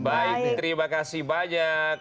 baik terima kasih banyak